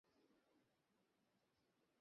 যদিও এর অধিকাংশই অজ্ঞাতনামা।